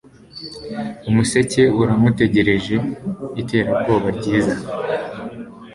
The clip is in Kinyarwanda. Umuseke uramutegereje iterabwoba ryiza